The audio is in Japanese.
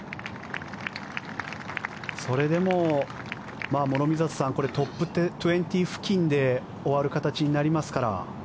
それでも諸見里さんトップ２０付近で終わる形になりますから。